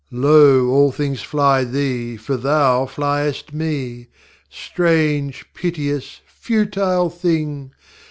Lo, all things fly thee, for thou fliest Me! Strange, piteous, futile thing!